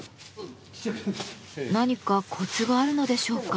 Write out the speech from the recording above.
何かコツがあるのでしょうか？